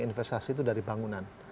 investasi itu dari bangunan